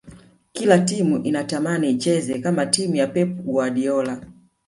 kila timu inatamani icheze kama timu ya pep guardiola